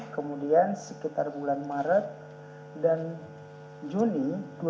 kemudian sekitar bulan maret dan juni dua ribu dua puluh